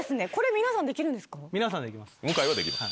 皆さんできます。